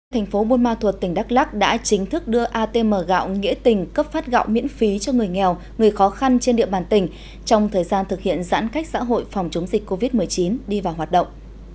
thành phố buôn ma thuột tỉnh đắk lắc đã chính thức đưa atm gạo nghĩa tình cấp phát gạo miễn phí cho người nghèo người khó khăn trên địa bàn tỉnh trong thời gian thực hiện giãn cách xã hội phòng chống dịch covid một mươi chín đi vào hoạt động